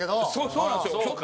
そうなんですよ。